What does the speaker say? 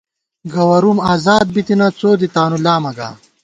گوَروم اَزاد بِتَنہ، څو دی تانُو لامہ گا